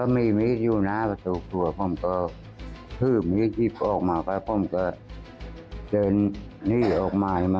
ไม่ถึงว่าใครลูก